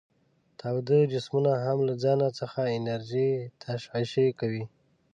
تاوده جسمونه هم له ځانه څخه انرژي تشعشع کوي.